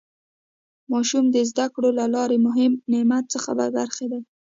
ماشومان د زده کړو له دې مهم نعمت څخه بې برخې دي.